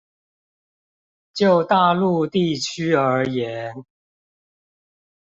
就大陸地區而言